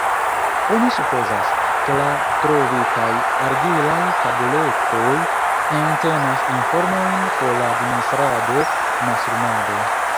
Oni supozas, ke la trovitaj argilaj tabuletoj entenas informojn por la administrado, mastrumado.